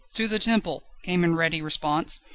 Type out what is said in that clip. To the Temple!" came in ready response.